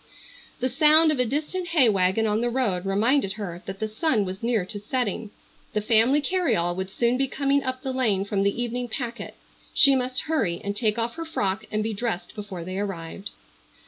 The sound of a distant hay wagon on the road reminded her that the sun was near to setting. The family carryall would soon be coming up the lane from the evening packet. She must hurry and take off her frock and be dressed before they arrived.